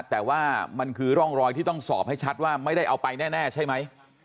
แต่ว่ามันคือร่องรอยที่ต้องสอบให้ชัดว่าไม่ได้เอาไปแน่ใช่ไหม